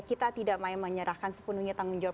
kita tidak mau menyerahkan sepenuhnya tanggung jawab